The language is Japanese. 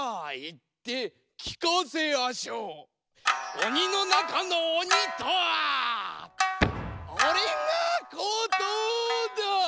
おにのなかのおにたぁおれがことだぁ！